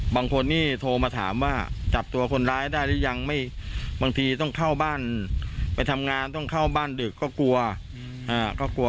บางคนนี่โทรมาถามว่าจับตัวคนร้ายได้หรือยังไม่บางทีต้องเข้าบ้านไปทำงานต้องเข้าบ้านดึกก็กลัวก็กลัว